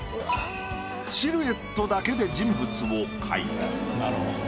シルエットだけで人物を描いた。